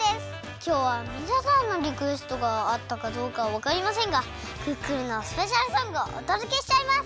きょうはみなさんのリクエストがあったかどうかわかりませんがクックルンのスペシャルソングをおとどけしちゃいます！